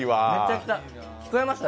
聞こえました？